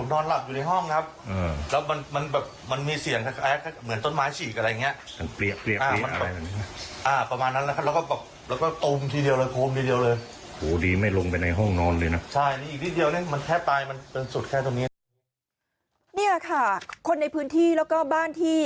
นี่ค่ะคนในพื้นที่แล้วก็บ้านที่